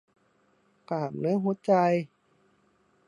กล้ามเนื้อหัวใจ